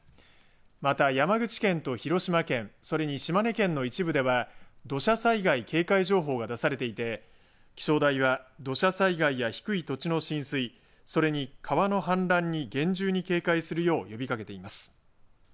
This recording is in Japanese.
また山口県と広島県それに島根県の一部では土砂災害警戒情報が出されていて気象台は土砂災害や低い土地の浸水それに川の氾濫に厳重に警戒するよう呼びかけています。